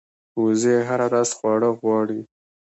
وزې هره ورځ خواړه غواړي